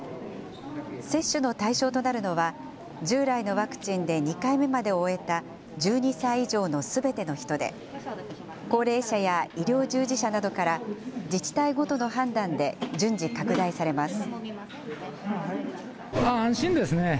接種の対象となるのは、従来のワクチンで２回目まで終えた１２歳以上のすべての人で、高齢者や医療従事者などから自治体ごとの判断で順次、拡大されます。